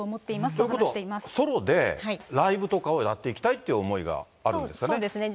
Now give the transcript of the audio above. ということはソロで、ライブとかをやっていきたいっていう思そうですね。